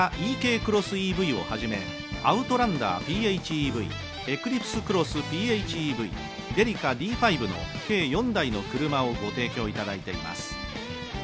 クロスＥＶをはじめアウトランダーＰＨＥＶ、エクリプスクロスＰＨＥＶ、デリカＤ：５の計４台の車をご提供いただいています。